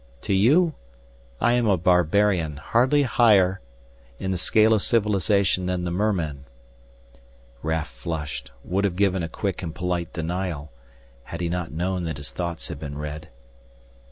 To you I am a barbarian, hardly higher in the scale of civilization than the mermen " Raf flushed, would have given a quick and polite denial, had he not known that his thoughts had been read.